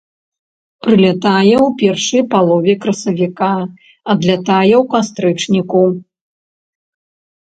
Прылятае ў першай палове красавіка, адлятае ў кастрычніку.